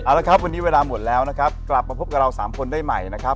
เอาละครับวันนี้เวลาหมดแล้วนะครับกลับมาพบกับเรา๓คนได้ใหม่นะครับ